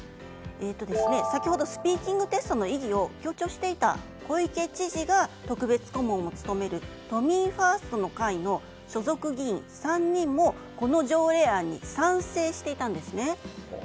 先ほどスピーキングテストの意義を強調していた小池知事が特別顧問を務める都民ファーストの会の所属議員３人もこの条例案に賛成していたんですね。